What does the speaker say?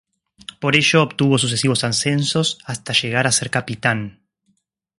Por ello, obtuvo sucesivos ascensos, hasta llegar a ser capitán.